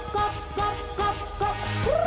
เตรียมพับกรอบ